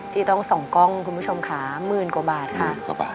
ที่ต้องส่องกล้องคุณผู้ชมค่ะหมื่นกว่าบาทค่ะ